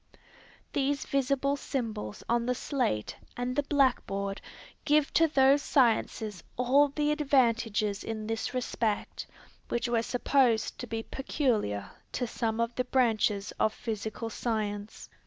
These visible symbols on the slate and the blackboard give to those sciences all the advantages in this respect which were supposed to be peculiar to some of the branches of physical science.